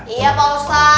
iya pak ustadz